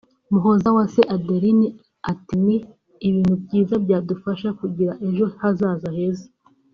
Muhozawase Adeline ati “Ni ibintu byiza byadufasha kugira ejo hazaza heza